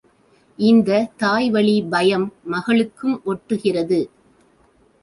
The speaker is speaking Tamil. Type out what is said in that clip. இந்தத் தாய்வழிப்பயம் மகளுக்கும் ஒட்டுகிறது.